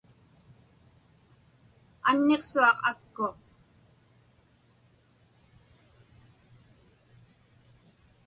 Anniqsuaq akku.